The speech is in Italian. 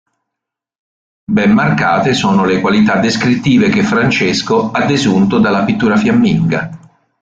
Ben marcate sono le qualità descrittive che Francesco ha desunto dalla pittura fiamminga.